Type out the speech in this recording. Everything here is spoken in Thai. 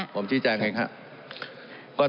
ผมชี้แจงครับ